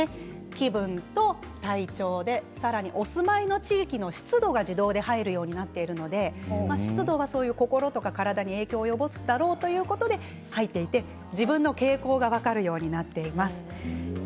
気分と体調でさらにお住まいの地域の湿度が自動で入るようになっているので湿度は心や体に影響を及ぼすだろうということで入っていて自分の傾向が分かるようになっています。